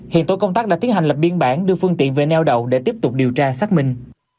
hiện tổ công tác đã tiến hành lập biên bản đưa phương tiện về neo đậu để tiếp tục điều tra xác minh